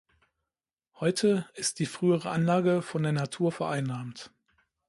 Heute ist die frühere Anlage von der Natur vereinnahmt.